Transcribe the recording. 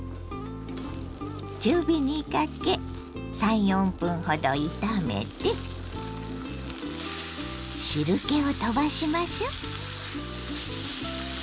中火にかけ３４分ほど炒めて汁けを飛ばしましょう。